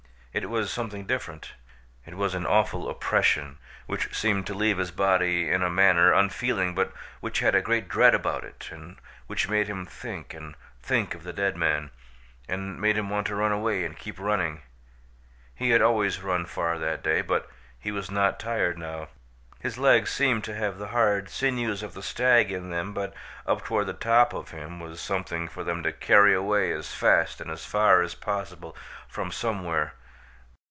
It was something different. It was an awful oppression, which seemed to leave his body, in a manner, unfeeling but which had a great dread about it and which made him think and think of the dead man, and made him want to run away and keep running. He had always run far that day, but he was not tired now. His legs seemed to have the hard sinews of the stag in them but up toward the top of him was something for them to carry away as fast and far as possible from somewhere.